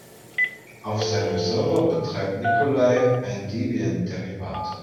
Auf seinem Server betreibt Nikolai ein Debian-Derivat.